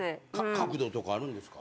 角度とかあるんですか？